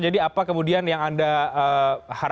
jadi apa kemudian yang anda hadirkan